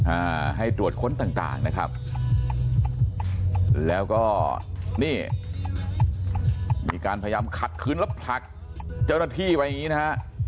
อ่าให้ตรวจค้นต่างต่างนะครับแล้วก็นี่มีการพยายามขัดคืนแล้วผลักเจ้าหน้าที่ไว้อย่างงี้นะฮะ